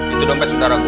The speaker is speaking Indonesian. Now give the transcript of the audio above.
itu dompet saudara gue